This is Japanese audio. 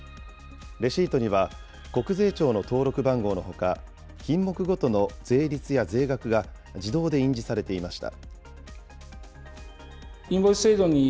レシートには、国税庁の登録番号のほか、品目ごとの税率や税額が自動で印字されていました。